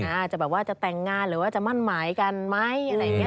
อาจจะแบบว่าจะแต่งงานหรือว่าจะมั่นหมายกันไหมอะไรอย่างนี้